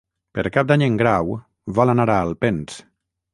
Per Cap d'Any en Grau vol anar a Alpens.